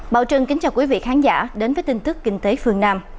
bảo trân kính chào quý vị khán giả đến với tin tức kinh tế phương nam